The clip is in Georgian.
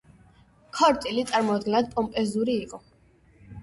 ქორწილი წარმოუდგენლად პომპეზური იყო.